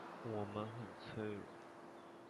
我们很脆弱